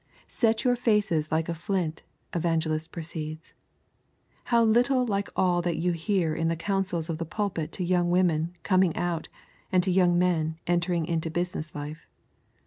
'Set your faces like a flint,' Evangelist proceeds. How little like all that you hear in the counsels of the pulpit to young women coming out and to young men entering into business life.